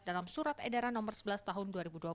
dalam surat edaran nomor sebelas tahun dua ribu dua puluh